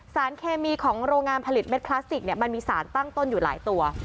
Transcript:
สารเคมีของโรงงานผลิตเม็ดพลาสติกมันมีสารตั้งต้นอยู่หลายตัว